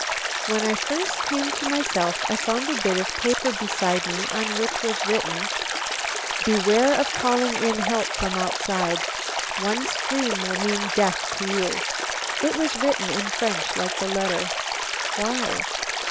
When I first came to myself I found a bit of paper beside me on which was written, 'Beware of calling in help from outside. One scream will mean death to you.' It was written in French like the letter. Why?